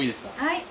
はい。